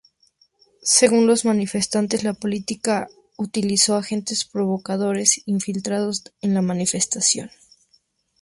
Según los manifestantes, la Policía utilizó agentes provocadores infiltrados en la manifestación.